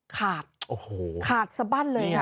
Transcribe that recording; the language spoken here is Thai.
ขาดขาดสะบัดเลย